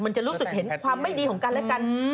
จะรู้สึกเห็นความไม่ดีของกันและกัน